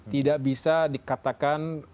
tidak bisa dikatakan